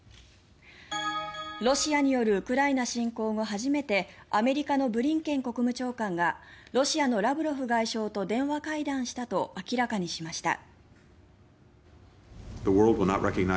ロシアによるウクライナ侵攻後初めてアメリカのブリンケン国務長官がロシアのラブロフ外相と電話会談したと明らかにしました。